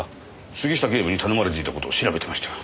杉下警部に頼まれていた事を調べてました。